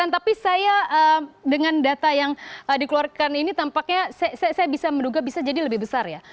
tapi saya dengan data yang dikeluarkan ini tampaknya saya bisa menduga bisa jadi lebih besar ya